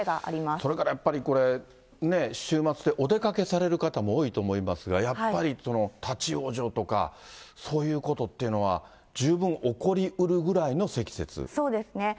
それからやっぱり、これ、週末でお出かけされる方も多いと思いますが、やっぱり、立往生とか、そういうことっていうのは、そうですね。